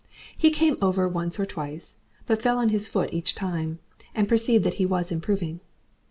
He came over once or twice, but fell on his foot each time, and perceived that he was improving.